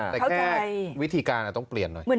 แต่แค่วิธีการต้องเปลี่ยนหน่อย